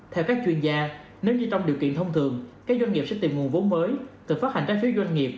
theo các chuyên gia nếu như trong điều kiện thông thường các doanh nghiệp sẽ tìm nguồn vốn mới từ phát hành trái phiếu doanh nghiệp